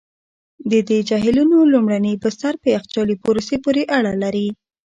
د دې جهیلونو لومړني بستر په یخچالي پروسې پوري اړه لري.